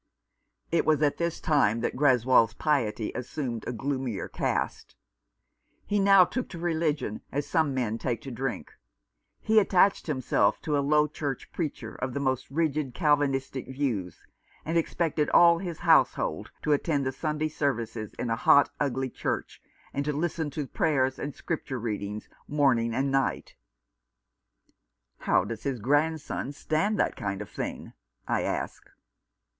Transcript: It was at this time that Greswold's piety assumed a gloomier cast. He now took to religion, as some men take to drink. He attached himself to a low church preacher of the most rigid Calvinistic views, and expected all his household to attend the Sunday services in a hot, ugly church, and to listen to prayers and Scripture readings morning and night. 239 Rough Justice. " How does his grandson stand that kind of thing ?" I asked.